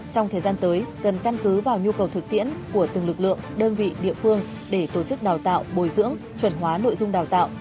trong thời gian tới cần căn cứ vào nhu cầu thực tiễn của từng lực lượng đơn vị địa phương để tổ chức đào tạo bồi dưỡng chuẩn hóa nội dung đào tạo